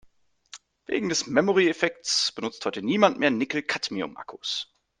Wegen des Memory-Effekts benutzt heute niemand mehr Nickel-Cadmium-Akkus.